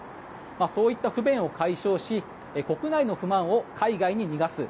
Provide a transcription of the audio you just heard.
そういった不便を解消し国内の不満を海外に逃がす。